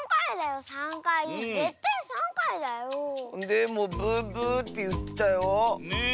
でもブブーっていってたよ。